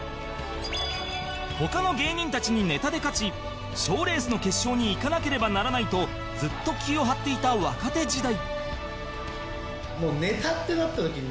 他の芸人たちにネタで勝ち賞レースの決勝に行かなければならないとずっと気を張っていた若手時代